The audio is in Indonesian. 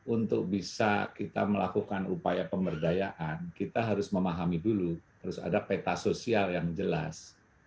untuk bisa kita melakukan upaya pemberdayaan kita harus memahami dulu harus ada peta sosial yang jelas